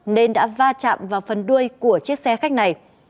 nên đã va chạm vào phần đuôi của chiếc xe khách này